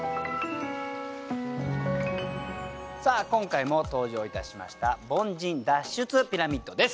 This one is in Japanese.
今回も登場いたしました凡人脱出ピラミッドです。